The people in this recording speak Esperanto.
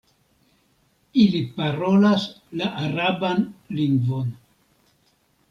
Ili parolas la araban lingvon.